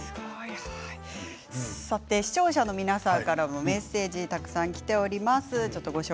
視聴者の皆さんからもメッセージ、たくさんきています。